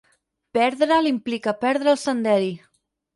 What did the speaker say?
Perdre'l implica perdre el senderi.